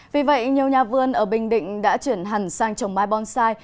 vì vậy nhiều nhà vươn ở bình định đã chuyển hẳn sang trồng mai bonsai